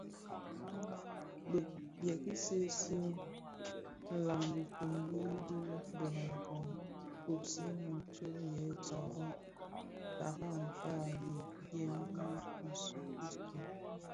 Bi ki seesee nlaň dhifombi di birakong kpusigha tsom yè tara kpag a bhëg dièm i Yesu Kristu,